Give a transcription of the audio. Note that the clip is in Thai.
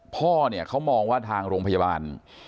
พ่อเนี่ยเขามองว่าทางโรงพยาบาล